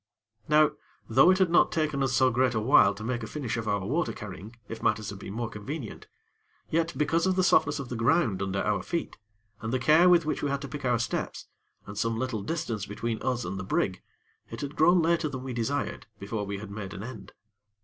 Now, though it had not taken us so great a while to make a finish of our water carrying if matters had been more convenient; yet because of the softness of the ground under our feet, and the care with which we had to pick our steps, and some little distance between us and the brig, it had grown later than we desired, before we had made an end.